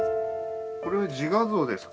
これは自画像ですか？